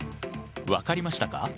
分かりましたか？